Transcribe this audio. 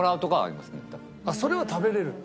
それは食べれるんだ。